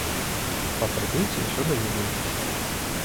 Па прыбыцці ўсё даведаецеся.